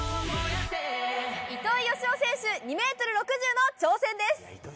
糸井嘉男選手２ｍ６０の挑戦です。